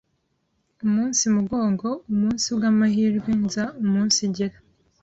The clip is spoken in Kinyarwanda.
umunsi mugongo umunsibw’amahirwe nza umunsigera